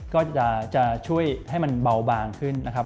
ก็จะช่วยให้มันเบาบางขึ้นนะครับ